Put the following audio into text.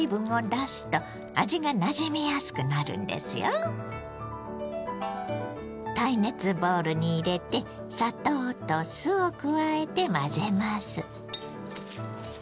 軽く絞り耐熱ボウルに入れて砂糖と酢を加えて混ぜます。